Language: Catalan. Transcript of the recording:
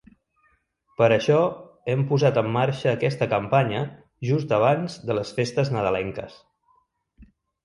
Per això hem posat en marxa aquesta campanya just abans de les festes nadalenques.